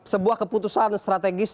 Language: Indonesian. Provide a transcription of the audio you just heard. sebuah keputusan strategis